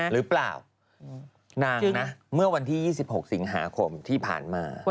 หรือเปล่านางนะเมื่อวันที่๒๖สิงหาคมที่ผ่านมา